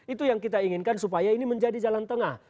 itu yang kita inginkan supaya ini menjadi jalan tengah